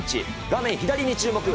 画面左に注目。